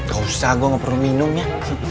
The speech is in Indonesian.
gak usah gue gak perlu minum ya